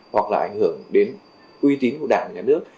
hoặc là ảnh hưởng đến uy tín của đảng và nhà nước